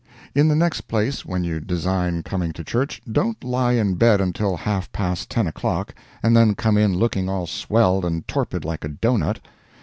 In the next place when you design coming to church, don't lie in bed until half past ten o'clock and then come in looking all swelled and torpid, like a doughnut.